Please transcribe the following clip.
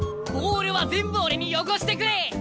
ボールは全部俺によこしてくれ。